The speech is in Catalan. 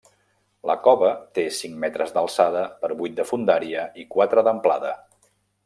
La cova té cinc metres d’alçada per vuit de fondària i quatre d’amplada.